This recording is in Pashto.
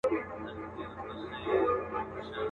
چي ناڅاپه سوه پیشو دوکان ته پورته.